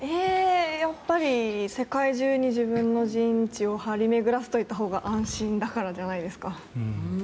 やっぱり世界中に自分の陣地を張り巡らせておいたほうが安心だからじゃないですか？